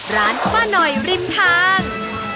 ร้านป้าหน่อยริมทาง